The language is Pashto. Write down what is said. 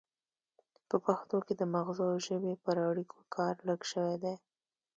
په پښتو کې د مغزو او ژبې پر اړیکو کار لږ شوی دی